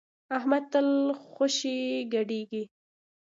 احمد تل خوشی ګډېږي.